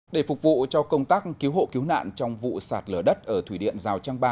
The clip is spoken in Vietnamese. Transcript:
để phục vụ cho công tác cứu hộ cứu nạn trong vụ sạt lở đất ở thủy điện giao trang ba